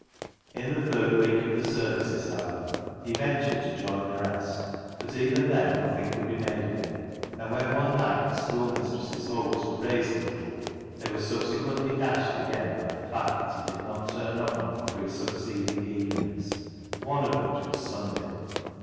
In the third week of the services, however, he ventured to join the rest, but even then nothing could be made of him ; and when one night the schoolmistress's hopes were raised a little, they were subsequently dashed again by the fact that he did not turn up on the three succeeding evenings, one of which was Sunday.